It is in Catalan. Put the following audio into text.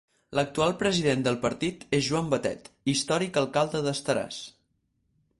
L'actual president del partit és Joan Batet, històric alcalde d'Estaràs.